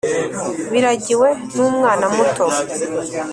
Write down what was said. Biragiwe n umwana muto